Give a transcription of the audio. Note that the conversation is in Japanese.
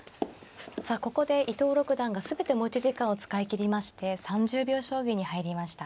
さあここで伊藤六段が全て持ち時間を使い切りまして３０秒将棋に入りました。